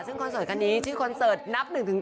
ซึ่งคอนเสิร์ตคันนี้ชื่อคอนเสิร์ตนับ๑๒